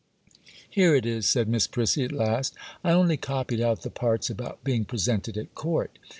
'Here it is,' said Miss Prissy, at last. 'I only copied out the parts about being presented at Court.